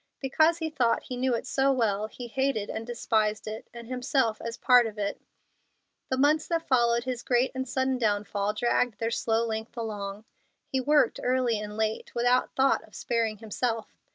Because he thought he knew it so well he hated and despised it, and himself as part of it. The months that followed his great and sudden downfall dragged their slow length along. He worked early and late, without thought of sparing himself.